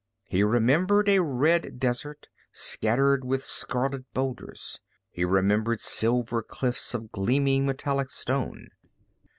He remembered a red desert scattered with scarlet boulders, he remembered silver cliffs of gleaming metallic stone.